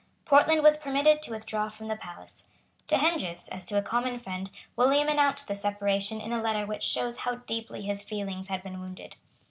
Portland was permitted to withdraw from the palace. To Heinsius, as to a common friend, William announced this separation in a letter which shows how deeply his feelings had been wounded.